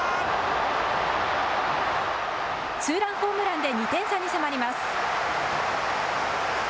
ツーランホームランで２点差に迫ります。